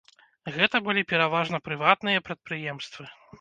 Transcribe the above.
Гэта былі пераважна прыватныя прадпрыемствы.